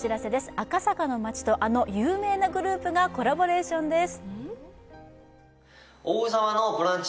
赤坂の街と、あの有名なグループがコラボレーションです。